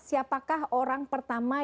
siapakah orang pertama